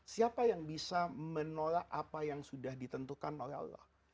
siapa yang bisa menolak apa yang sudah ditentukan oleh allah